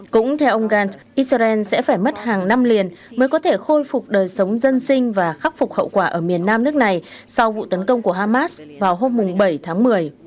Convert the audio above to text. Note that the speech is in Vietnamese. cũng theo ông gantz israel sẽ phải mất hàng năm liền mới có thể khôi phục đời sống dân sinh và khắc phục hậu quả ở miền nam nước này sau vụ tấn công của hamas vào hôm bảy tháng một mươi